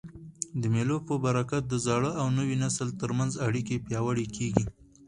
د مېلو په برکت د زاړه او نوي نسل تر منځ اړیکي پیاوړي کېږي.